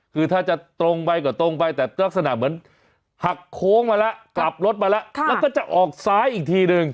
คือถ้าจะตรงไปก็ตรงไปแต่ลักษณะเหมือนหักโค้งมาแล้วกลับรถมาแล้วแล้วก็จะออกซ้ายอีกทีหนึ่ง